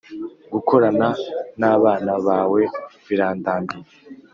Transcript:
Gukorana n abana bawe birandambiye